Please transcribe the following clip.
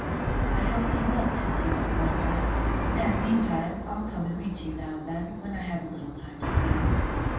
"I hope He will, Nancy," replied I; "and, meantime, I'll come and read to you now and then, when I have a little time to spare."